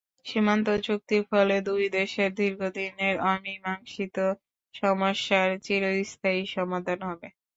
সীমান্ত চুক্তির ফলে দুই দেশের দীর্ঘদিনের অমীমাংসিত সমস্যার চিরস্থায়ী সমাধান হবে।